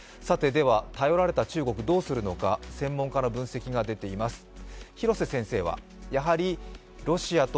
では頼られた中国、どうするのか、専門家の分析が出ています。